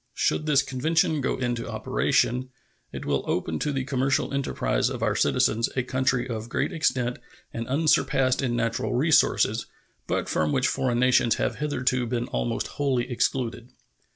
Should this convention go into operation, it will open to the commercial enterprise of our citizens a country of great extent and unsurpassed in natural resources, but from which foreign nations have hitherto been almost wholly excluded.